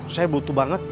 saya butuh banget